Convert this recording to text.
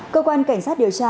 cơ quan cảnh sát điều tra